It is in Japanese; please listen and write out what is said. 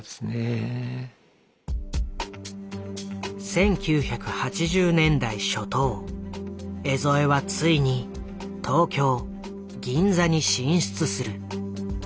１９８０年代初頭江副はついに東京銀座に進出する。